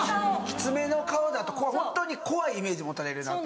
きつめの顔だとホントに怖いイメージ持たれる。